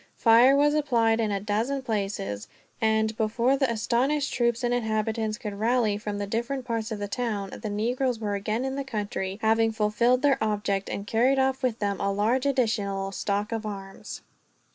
Fire was applied in a dozen places and, before the astonished troops and inhabitants could rally, from the different parts of the town, the negroes were again in the country; having fulfilled their object, and carried off with them a large additional stock of arms.